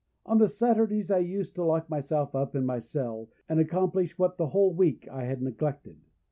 On the Saturdays I used to lock myself up in my cell, and accomplish what the whole week I had neglected.